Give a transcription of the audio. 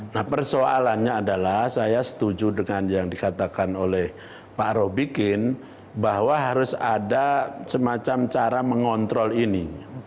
nah persoalannya adalah saya setuju dengan yang dikatakan oleh pak robikin bahwa harus ada semacam cara mengontrol ini